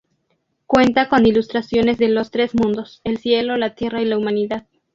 Cuenta con ilustraciones de "Los Tres Mundos", el cielo, la tierra y la humanidad.